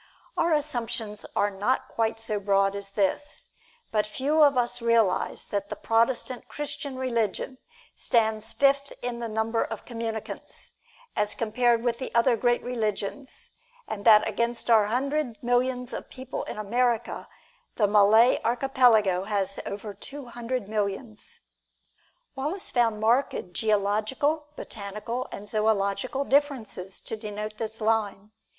Our assumptions are not quite so broad as this, but few of us realize that the Protestant Christian Religion stands fifth in the number of communicants, as compared with the other great religions, and that against our hundred millions of people in America, the Malay Archipelago has over two hundred millions. Wallace found marked geological, botanical and zoological differences to denote his line.